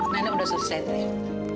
nenek udah selesai nenek